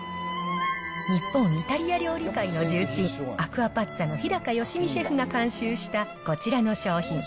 日本イタリア料理界の重鎮、アクアパッツァの日高良実シェフが監修したこちらの商品。